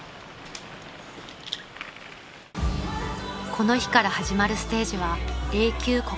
［この日から始まるステージは］